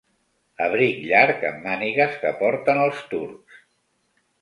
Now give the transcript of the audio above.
Abric llarg amb mànigues que porten els turcs.